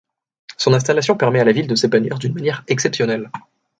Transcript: Son installation permet à la ville de s'épanouir d'une manière exceptionnelle.